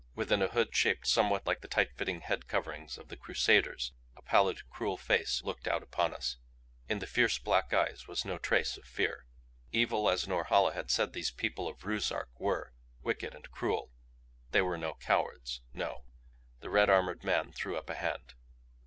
Within a hood shaped somewhat like the tight fitting head coverings of the Crusaders a pallid, cruel face looked out upon us; in the fierce black eyes was no trace of fear. Evil as Norhala had said these people of Ruszark were, wicked and cruel they were no cowards, no! The red armored man threw up a hand.